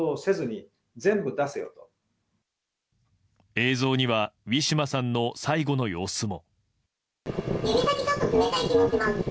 映像には、ウィシュマさんの最期の様子も。